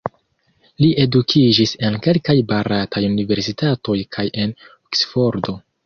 Li edukiĝis en kelkaj barataj universitatoj kaj en Oksfordo.